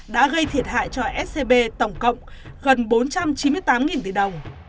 đã gây thiệt hại cho scb tổng cộng gần bốn trăm chín mươi tám tỷ đồng